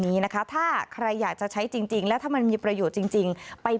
นี้นะคะถ้าใครอยากจะใช้จริงแล้วถ้ามันมีประโยชน์จริงไป